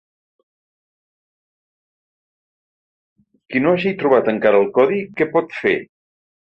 Qui no hagi trobat encara el codi, què pot fer?